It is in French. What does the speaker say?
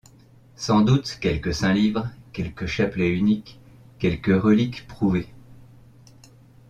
Sans doute quelque saint livre? quelque chapelet unique ? quelque relique prouvée ?